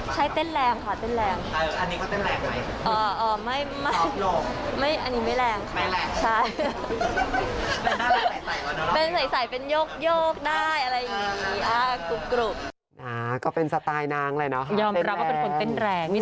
คำนี้ฟังเขาก็ว่าแป้งแบบโปรแล้วอะไรอย่างนี้